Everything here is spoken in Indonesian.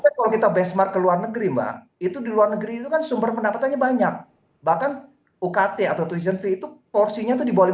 tapi kalau kita benchmark ke luar negeri mbak itu di luar negeri itu kan sumber pendapatannya banyak bahkan ukt atau tuizin fee itu porsinya itu di bawah lima puluh